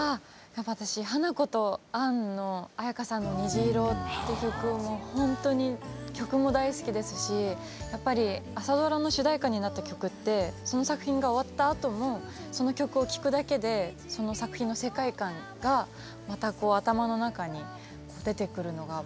やっぱり私「花子とアン」の絢香さんの「にじいろ」っていう曲も本当に曲も大好きですしやっぱり朝ドラの主題歌になった曲ってその作品が終わったあともその曲を聴くだけでその作品の世界観がまた頭の中に出てくるのがまたいいなと思って。